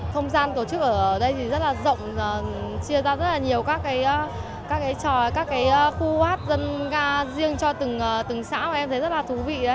thông gian tổ chức ở đây thì rất là rộng chia ra rất là nhiều các cái trò các cái khu hát dân ca riêng cho từng xã mà em thấy rất là thú vị đấy